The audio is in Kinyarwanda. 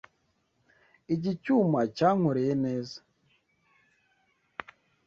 Iki cyuma cyankoreye neza.